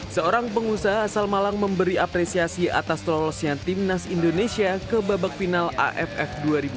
seorang pengusaha asal malang memberi apresiasi atas lolosnya timnas indonesia ke babak final aff dua ribu dua puluh